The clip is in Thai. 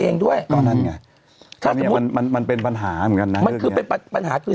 เองด้วยก็นั่นไงมันมันเป็นปัญหาเหมือนกันนะมันคือเป็นปัญหาคือ